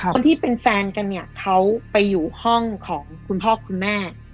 คนที่เป็นแฟนกันเนี่ยเขาไปอยู่ห้องของคุณพ่อคุณแม่